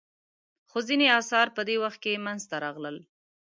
خو ځینې اثار په دې وخت کې منځته راغلل.